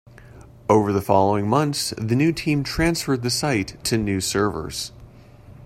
Over the following months, the new team transferred the site to new servers.